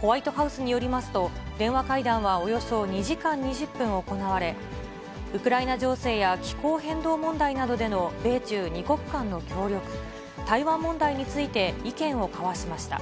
ホワイトハウスによりますと、電話会談はおよそ２時間２０分行われ、ウクライナ情勢や気候変動問題などでの米中２国間の協力、台湾問題について意見を交わしました。